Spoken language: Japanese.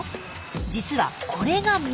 実はこれが耳。